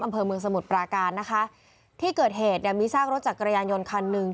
อำเภอเมืองสมุทรปราการนะคะที่เกิดเหตุเนี่ยมีซากรถจักรยานยนต์คันหนึ่ง